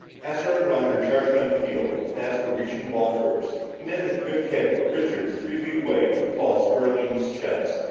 Astro and Roger charged down the field, with Astro reaching the ball first. He managed a good kick, but Richards, three feet away, took the ball squarely on his chest.